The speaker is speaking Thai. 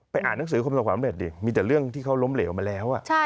ไปอ่านหนังสือความสำเร็จดิมีแต่เรื่องที่เขาล้มเหลวมาแล้วอ่ะ